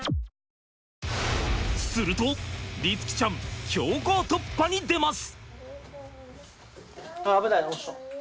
すると律貴ちゃん強行突破に出ます！